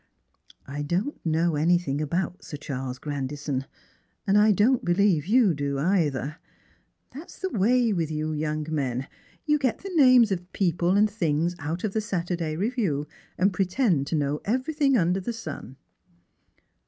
" I don't know anything about Sir Charles Grandison, and I don't believe you do, either. That's the way with you young men ; you get the names of people and thiuss out of tha Strangers and JPilgrims. 19 Saturday lleview, and pretend to know everything under the sun."